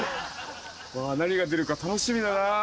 わ何が出るか楽しみだな。